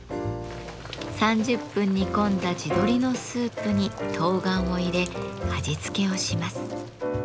３０分煮込んだ地鶏のスープに冬瓜を入れ味付けをします。